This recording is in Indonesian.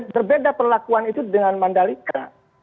berbeda perlakuan itu dengan mandalika